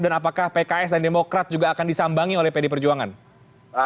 apakah pks dan demokrat juga akan disambangi oleh pd perjuangan